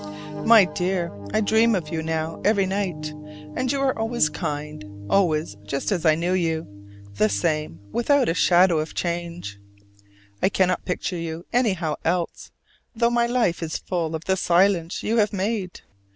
My Dear: I dream of you now every night, and you are always kind, always just as I knew you: the same without a shadow of change. I cannot picture you anyhow else, though my life is full of the silence you have made.